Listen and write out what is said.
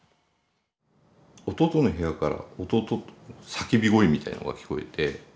弟の部屋から弟の叫び声みたいなのが聞こえて。